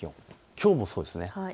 きょうもそうですね。